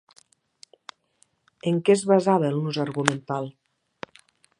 En què es basava el nus argumental?